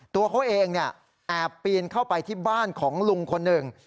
ตัวเขาเองแอบปีนเข้าไปที่บ้านของลุงคนหนึ่ง